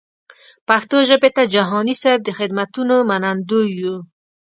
پښتو ژبې ته جهاني صېب د خدمتونو منندوی یو.